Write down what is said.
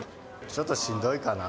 ちょっとしんどいかな。